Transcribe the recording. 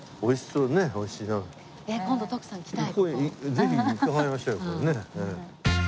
ぜひ伺いましょうよねえ。